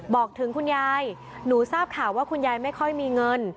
บอกถึงคุณยายหนูทราบข่าวว่าคุณยายไม่ค่อยมีเงิน